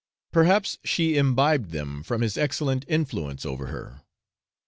Perhaps she imbibed them from his excellent influence over her.